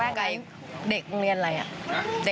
มันก็ไม่ยอมด้วยแต่ยังมาพ่อแม่ไม่ต้องมาพ่อแม่